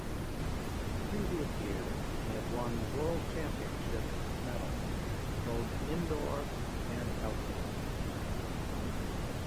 The previous year he had won World Championships medals both indoor and outdoor.